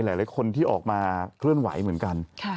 หลายคนที่ออกมาเคลื่อนไหวเหมือนกัน